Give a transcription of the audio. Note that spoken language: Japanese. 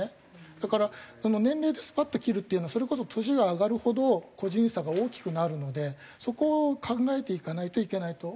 だから年齢でスパッと切るっていうのはそれこそ年が上がるほど個人差が大きくなるのでそこを考えていかないといけないと私は思います。